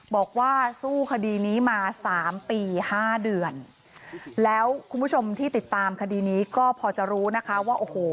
บอกว่าสู้คดีนี้มาสามปีห้าเดือนแล้วคุณผู้ชมที่ติดตามคดีนี้ก็พอจะรู้นะคะว่าโอ้โห